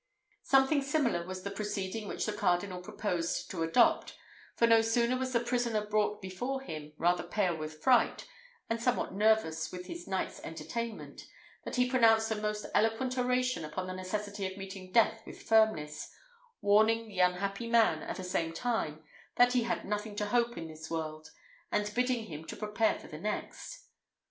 Something similar was the proceeding which the cardinal proposed to adopt; for no sooner was the prisoner brought before him, rather pale with fright, and somewhat nervous with his night's entertainment, than he pronounced a most eloquent oration upon the necessity of meeting death with firmness, warning the unhappy man, at the same time, that he had nothing to hope in this world, and bidding him to prepare for the next.